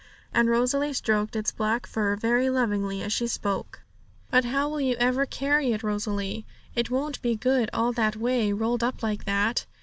and Rosalie stroked its black fur very lovingly as she spoke. 'But how will you ever carry it, Rosalie? It won't be good all that way, rolled up like that.'